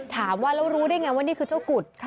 ถามว่าแล้วรู้ได้ไงว่านี่คือเจ้ากุฎ